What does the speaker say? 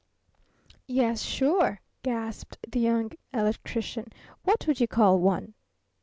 "Yes, sure," gasped the Young Electrician, "what would you call one?"